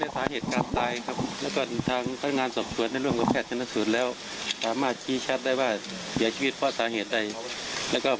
แสดงว่าตอนที่เขาเผาเนี่ยคือเผาในวันเกิดเหตุเลยได้รับอนุญาตถูกต้อง